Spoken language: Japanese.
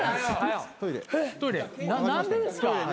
何でですか？